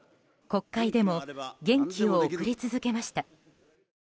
国会でも元気を送り続けました。